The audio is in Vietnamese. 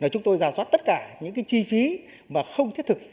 chúng tôi giả soát tất cả những chi phí mà không thiết thực